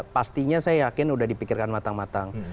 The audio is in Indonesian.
pastinya saya yakin sudah dipikirkan matang matang